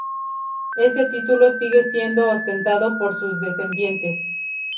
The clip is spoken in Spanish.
Este título sigue siendo ostentado por sus descendientes.